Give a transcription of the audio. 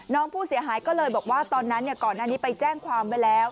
น้องผู้เสียหายก็เลยบอกว่าตอนนั้นก่อนหน้านี้ไปแจ้งความไว้แล้ว